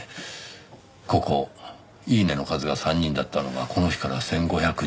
ここ「いいね」の数が３人だったのがこの日から１５００人。